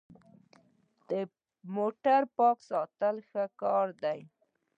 موټر پاک ساتل ښه کار دی.